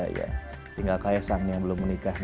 iya tinggal kaisan yang belum menikah